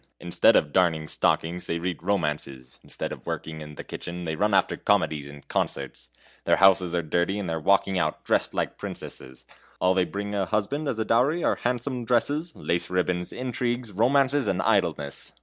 Instead of darning stockings, they read romances; instead of working in the kitchen, they run after comedies and concerts. Their houses are dirty, and they are walking out, dressed like princesses; all they bring a husband as a dowry are handsome dresses, lace ribbons, intrigues, romances, and idleness!